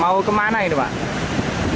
mau kemana ini pak